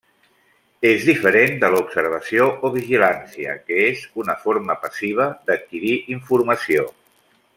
És diferent de l'observació o vigilància, que és una forma passiva d'adquirir informació.